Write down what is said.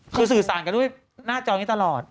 คือสื่อสารกันด้วยหน้าจอนี้ตลอด